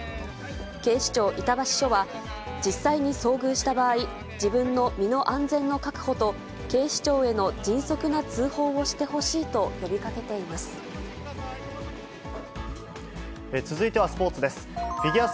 警視庁板橋署は、実際に遭遇した場合、自分の身の安全の確保と警視庁への迅速な通報をしてほしいと呼び続いてはスポーツです。